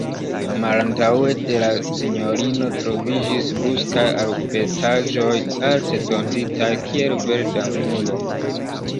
Malantaŭe de la sinjorino troviĝis buksaj arbetaĵoj, arte tonditaj kiel verda muro.